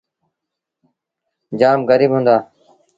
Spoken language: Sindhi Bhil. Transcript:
جآم گريٚب هُݩدآ۔